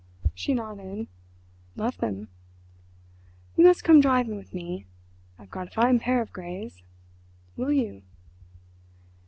She nodded. "Love them." "You must come driving with me—I've got a fine pair of greys. Will you?"